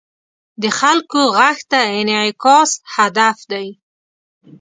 د خلکو غږ ته انعکاس هدف دی.